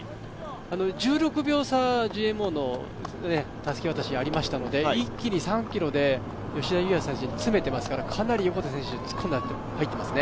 １６秒差、ＧＭＯのたすき渡しありましたので一気に３ｋｍで吉田祐也選手に詰めていますからかなり横手選手突っ込んで走っていますね。